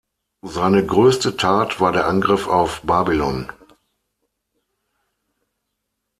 Seine größte Tat war der Angriff auf Babylon.